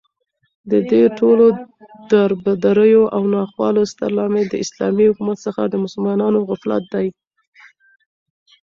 ددې ټولو دربدريو او ناخوالو ستر لامل داسلامې حكومت څخه دمسلمانانو غفلت دى